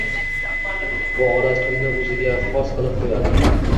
Bu odat kunni o‘ziga xos qilib qo‘yadi